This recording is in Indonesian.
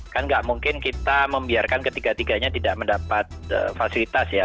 kan nggak mungkin kita membiarkan ketiga tiganya tidak mendapat fasilitas ya